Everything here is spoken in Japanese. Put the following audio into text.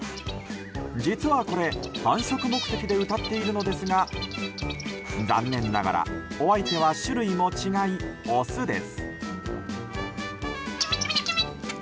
実はこれ繁殖目的で歌っているのですが残念ながら、お相手は種類も違い、オスです。